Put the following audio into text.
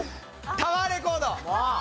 タワーレコード。